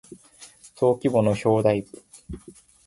登記簿の表題部